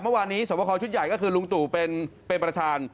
เมื่อวานนี้สวบคอชุดใหญ่ก็คือลุงตู่เป็นประธาน